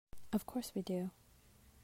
Of course we do.